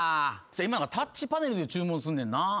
今タッチパネルで注文すんねんな。